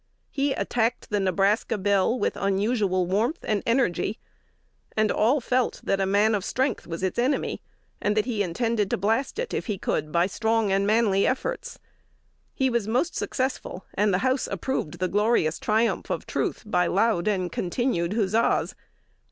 "He attacked the Nebraska Bill with unusual warmth and energy; and all felt that a man of strength was its enemy, and that he intended to blast it if he could by strong and manly efforts. He was most successful, and the house approved the glorious triumph of truth by loud and continued huzzas.